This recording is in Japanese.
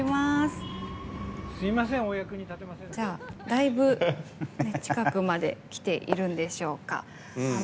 だいぶ近くまで来ているでしょうか。